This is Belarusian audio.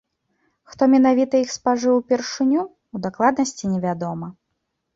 Хто менавіта іх спажыў упершыню, у дакладнасці невядома.